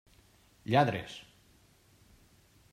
Lladres!